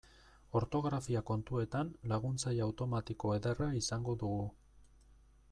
Ortografia kontuetan laguntzaile automatiko ederra izango dugu.